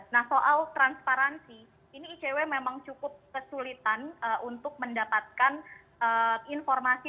nah soal transparansi ini icw memang cukup kesulitan untuk mendapatkan informasi